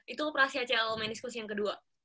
itu operasi acl maniscus yang kedua